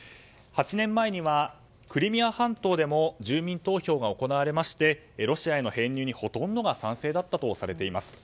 ８年前にはクリミア半島でも住民投票が行われましてロシアへの編入にほとんどが賛成だったとされています。